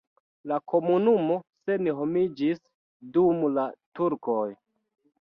La komunumo senhomiĝis dum la turkoj.